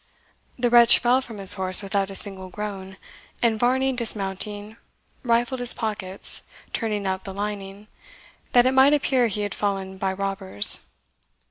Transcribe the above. The wretch fell from his horse without a single groan; and Varney, dismounting, rifled his pockets, turning out the lining, that it might appear he had fallen by robbers.